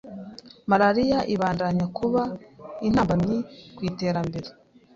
malaria ibandanya kuba intambamyi kw'iterambere".